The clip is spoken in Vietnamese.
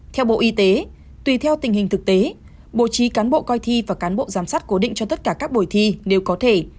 theo bộ y tế tùy theo tình hình thực tế bố trí cán bộ coi thi và cán bộ giám sát cố định cho tất cả các buổi thi đều có thể